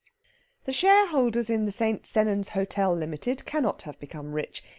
The shareholders in the St. Sennans Hotel, Limited, cannot have become rich.